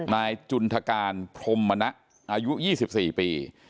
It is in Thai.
นายจุนทการพรมมณะอายุ๒๔ปี